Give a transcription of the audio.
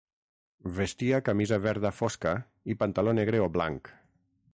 Vestia camisa verda fosca i pantaló negre o blanc.